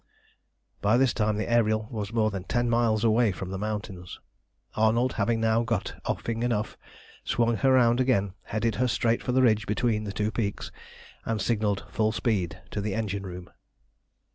By this time the Ariel was more than ten miles away from the mountains. Arnold, having now got offing enough, swung her round again, headed her straight for the ridge between the two peaks, and signalled "full speed" to the engine room.